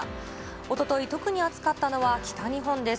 おととい、特に暑かったのは北日本です。